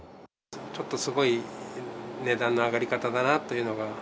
ちょっとすごい値段の上がり方だなというのが。